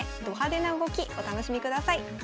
ど派手な動きお楽しみください。